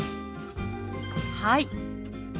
「はい」